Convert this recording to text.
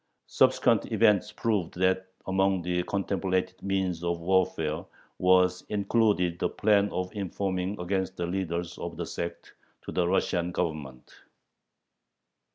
Subsequent events proved that among the contemplated means of warfare was included the plan of informing against the leaders of the sect to the Russian Government.